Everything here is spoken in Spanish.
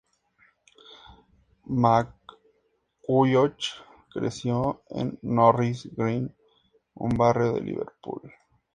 McCulloch creció en Norris Green, un barrio de Liverpool.